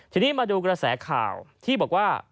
ทีนี้มาดูกระแสข่าวที่บอกว่า